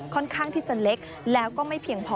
ค่อนข้างที่จะเล็กแล้วก็ไม่เพียงพอ